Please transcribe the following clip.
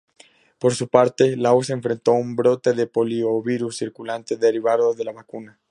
Por su parte, Laos enfrentó un brote de poliovirus circulante derivado de la vacuna.